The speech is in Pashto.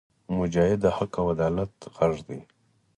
مجاهد د حق او عدالت غږ دی.